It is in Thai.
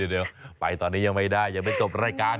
เดี๋ยวไปตอนนี้ยังไม่ได้ยังไม่จบรายการ